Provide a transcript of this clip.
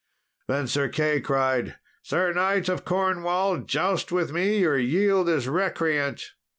Then Sir Key cried, "Sir knight of Cornwall, joust with me, or yield as recreant."